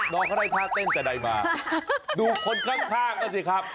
น้องเขาได้ท่าเต้นแต่ใดมาดูคนข้างก็สิครับ